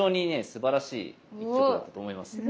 すばらしい一局だったと思いますよ。